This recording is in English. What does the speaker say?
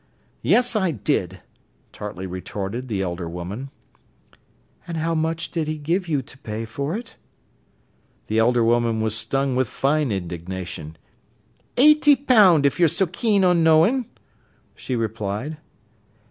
"Yes, I did," tartly retorted the elder woman. "And how much did he give you to pay for it?" The elder woman was stung with fine indignation. "Eighty pound, if you're so keen on knowin'," she replied.